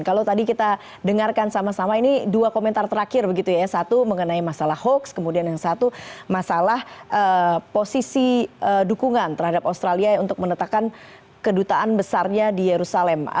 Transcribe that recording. kalau tadi kita dengarkan sama sama ini dua komentar terakhir begitu ya satu mengenai masalah hoax kemudian yang satu masalah posisi dukungan terhadap australia untuk menetapkan kedutaan besarnya di yerusalem